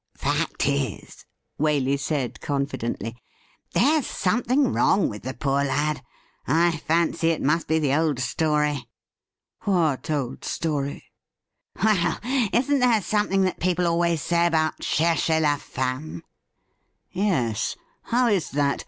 'Fact is,' Waley said confidently, 'there's something wrong with the poor lad. I fancy it must be the old story.' ' What old story ?' 'Well, isn't there something that people always say about cherchez lajhnme ?' Yes. How is that